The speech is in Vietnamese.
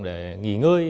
để nghỉ ngơi